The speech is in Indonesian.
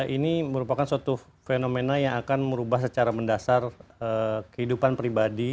ini merupakan suatu fenomena yang akan merubah secara mendasar kehidupan pribadi